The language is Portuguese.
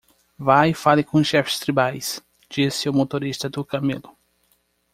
"Vá e fale com os chefes tribais?" disse o motorista do camelo.